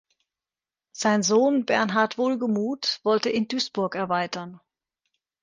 Sein Sohn Bernhard Wohlgemuth wollte in Duisburg erweitern.